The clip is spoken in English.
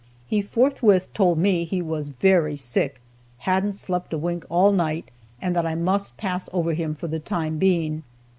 He forthwith told me he was very sick, hadn't slept a wink all night, and that I must pass over him for the time being.